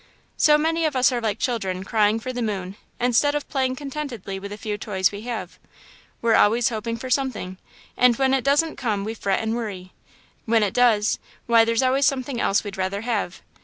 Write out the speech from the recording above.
So many of us are like children, crying for the moon, instead of playing contentedly with the few toys we have. We're always hoping for something, and when it does n't come we fret and worry; when it does, why there's always something else we'd rather have.